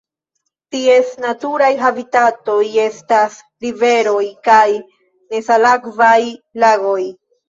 Ties naturaj habitatoj estas riveroj kaj nesalakvaj lagoj.